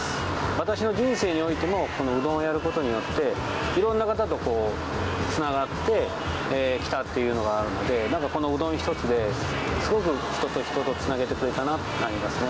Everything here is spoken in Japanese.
私の人生においてもこのうどんをやることによっていろんな方とつながってきたっていうのがあるのでこのうどん一つですごく人と人とつなげてくれたなって感じですね。